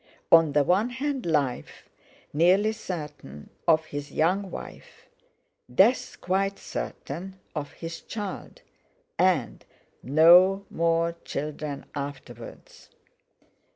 On the one hand life, nearly certain, of his young wife, death quite certain, of his child; and—no more children afterwards!